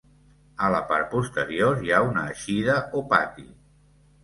A la part posterior hi ha una eixida o pati.